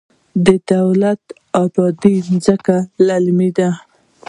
د دولت اباد ځمکې للمي دي